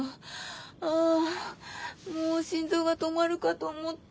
あもう心臓が止まるかと思った。